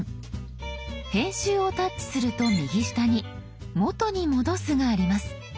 編集をタッチすると右下に「元に戻す」があります。